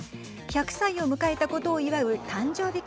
１００歳を迎えたことを祝う誕生日